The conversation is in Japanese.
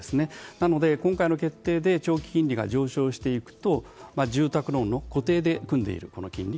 なので、今回の決定で長期金利が上昇していくと住宅ローンの固定で組んでいる金利